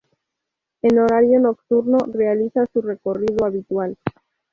En horario nocturno, realiza su recorrido habitual.